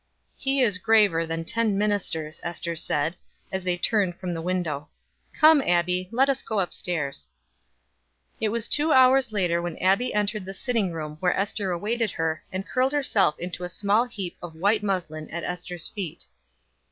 "He is graver than ten ministers," Ester said, as they turned from the window. "Come, Abbie, let us go up stairs." It was two hours later when Abbie entered the sitting room where Ester awaited her, and curled herself into a small heap of white muslin at Ester's feet.